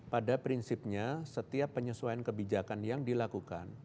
pada prinsipnya setiap penyesuaian kebijakan yang dilakukan